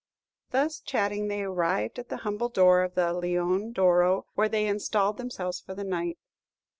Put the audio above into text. Thus chatting, they arrived at the humble door of the "Leone d'Oro," where they installed themselves for the night.